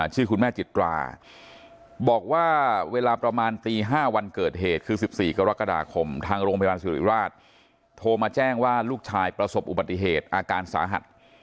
ชื่อคุณแม่จิตราบอกว่าเวลาประมาณตี๕วันเกิดเหตุคือ๑๔กรกฎาคมทางโรงพยาบาลสุริราชโทรมาแจ้งว่าลูกชายประสบอุบัติเหตุอาการสาหัส